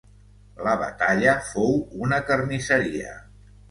La batalla fou una carnisseria.